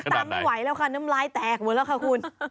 ตามไม่ไหวแล้วค่ะน้ำลายแตกหมดแล้วค่ะคุณ